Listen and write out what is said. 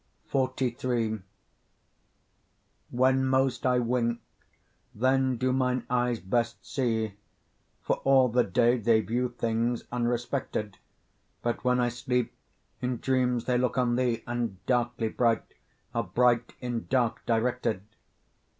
XLIII When most I wink, then do mine eyes best see, For all the day they view things unrespected; But when I sleep, in dreams they look on thee, And darkly bright, are bright in dark directed.